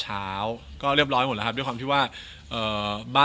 หัวงัยไม่ยอด